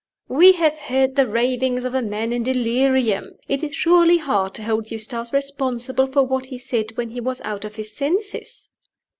"We have heard the ravings of a man in delirium. It is surely hard to hold Eustace responsible for what he said when he was out of his senses."